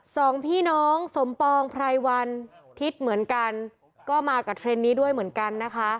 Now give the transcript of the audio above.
สองพี่น้องสมปองไพรวันทิศเหมือนกันก็มากับเทรนด์นี้ด้วยเหมือนกันนะคะ